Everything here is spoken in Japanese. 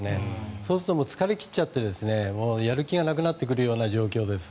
そうすると疲れ切っちゃってやる気がなくなってくる状況です。